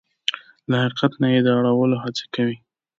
له حقیقت نه يې د اړولو هڅې کوي.